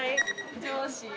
上司。